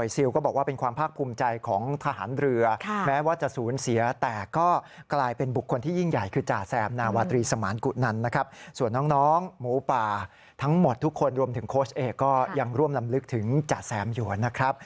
ทุกคนรวมถึงโค้ชเอ็กซ์ก็ยังร่วมลำลึกถึงจาแซมอยู่นะครับ